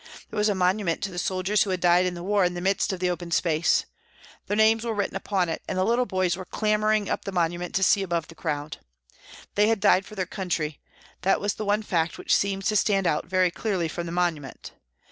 There was a monument to the soldiers who had died in the war in the midst of the open space. Their names were written on it, and the little boys were clambering up the monument to see above the crowd. They had died for their country, that was the one fact which seemed to stand out very clearly from the monument.